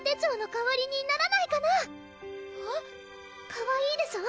かわいいでしょ？